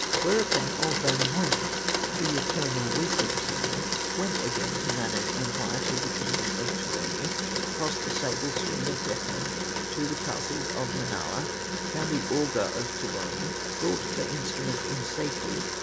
Thereupon old Wainamoinen, The eternal wisdom singer, Went again to Mana's empire, To the kingdom of Tuoni, Crossed the sable stream of Deathland, To the castles of Manala, Found the auger of Tuoni, Brought the instrument in safety.